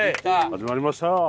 始まりました。